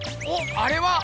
あれは。